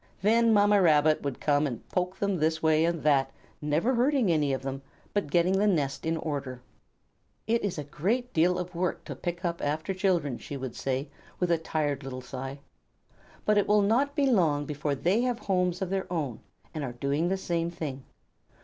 Then Mamma Rabbit would come and poke them this way and that, never hurting any of them, but getting the nest in order. "It is a great deal of work to pick up after children," she would say with a tired little sigh, "but it will not be long before they have homes of their own and are doing the same thing."